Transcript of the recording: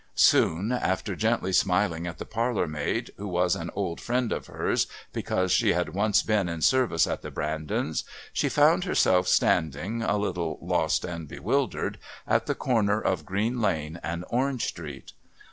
Soon, after gently smiling at the parlourmaid, who was an old friend of hers because she had once been in service at the Brandons, she found herself standing, a little lost and bewildered, at the corner of Green Lane and Orange Street.